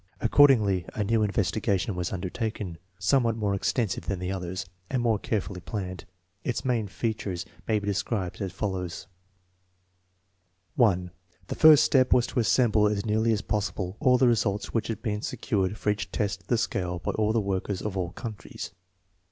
Accordingly a new investigation was undertaken, somewhat more extensive than the others, and more care fully planned. Its main features may be described as fol lows: 1. The first step was to assemble as nearly as possible all the results which had been secured for each test of the scale by all the workers of all countries.